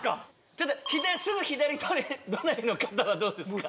ただすぐ左隣の方はどうですか？